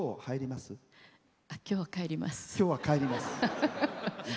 今日、帰ります。